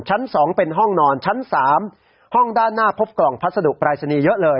ชั้น๒เป็นห้องนอนชั้น๓ห้องด้านหน้าพบกล่องพัสดุปรายศนีย์เยอะเลย